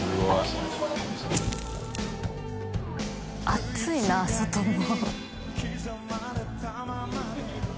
暑いな外も。